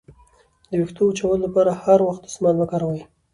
د ویښتو وچولو لپاره هر وخت دستمال مه کاروئ.